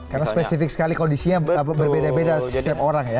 karena spesifik sekali kondisinya berbeda beda sistem orang ya